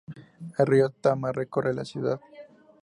El río Tama recorre la ciudad.